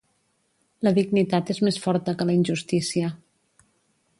La dignitat és més forta que la injustícia.